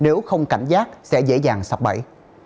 nếu không cảnh sát sẽ dễ dàng sập bẫy